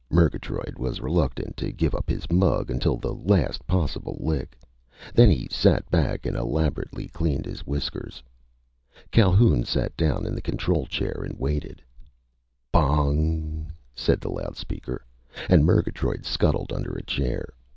Murgatroyd was reluctant to give up his mug until the last possible lick. Then he sat back and elaborately cleaned his whiskers. Calhoun sat down in the control chair and waited. "Bong!" said the loud speaker, and Murgatroyd scuttled under a chair.